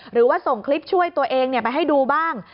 หรือว่าส่งคลิปช่วยตัวเองไปให้ดูบ้าง